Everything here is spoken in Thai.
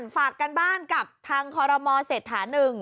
ฝากกันบ้านกับทางคอรมอเศรษฐานึง